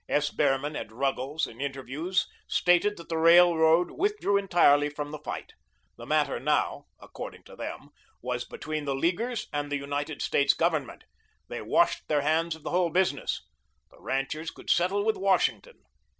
S. Behrman and Ruggles in interviews stated that the Railroad withdrew entirely from the fight; the matter now, according to them, was between the Leaguers and the United States Government; they washed their hands of the whole business. The ranchers could settle with Washington.